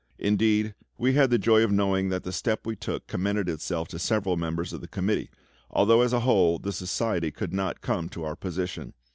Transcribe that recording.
Indeed, we had the joy of knowing that the step we took commended itself to several members of the Committee, although as a whole the Society could not come to our position.